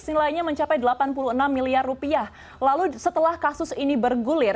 nilainya mencapai delapan puluh enam miliar rupiah lalu setelah kasus ini bergulir